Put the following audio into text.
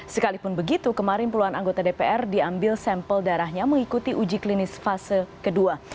sekalipun begitu kemarin puluhan anggota dpr diambil sampel darahnya mengikuti uji klinis fase kedua